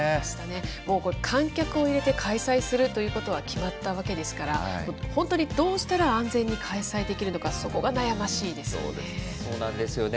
もう観客を入れて開催するということは決まったわけですから、本当にどうしたら安全に開催できるそうなんですよね。